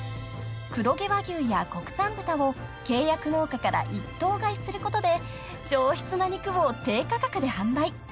［黒毛和牛や国産豚を契約農家から一頭買いすることで上質な肉を低価格で販売］